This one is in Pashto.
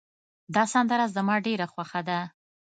دا سندره زما ډېره خوښه ده